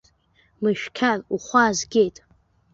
Мышәқьар, ухәы аазгеит!